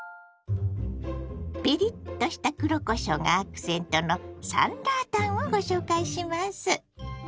ピリッとした黒こしょうがアクセントの酸辣湯をご紹介します。